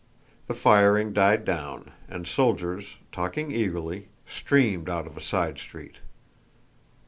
The firing died down and soldiers, talking eagerly, streamed out of a side street.